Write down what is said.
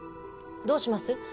どうします？